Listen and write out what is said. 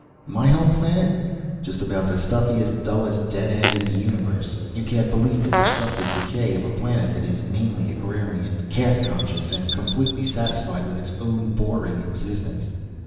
"My home planet? Just about the stuffiest, dullest, dead end in the universe. You can't believe the destructive decay of a planet that is mainly agrarian, caste conscious and completely satisfied with its own boring existence.